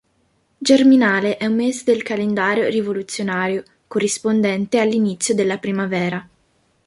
Germinale è un mese del calendario rivoluzionario, corrispondente all'inizio della primavera.